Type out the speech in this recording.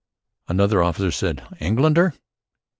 Another officer said "Engländer?"